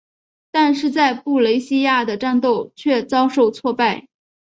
但是在布雷西亚的战斗却遭受挫败。